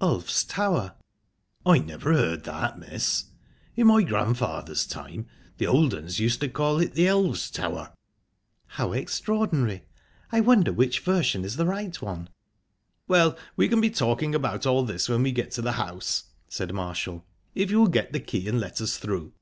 "Ulf's Tower." "I never heard that, miss. In my grandfather's time, the old 'uns used to call it the elves' Tower." "How extraordinary! I wonder which version is the right one?" "Well, we can be talking about all this when we get to the house," said Marshall, "if you'll get the key and let us through."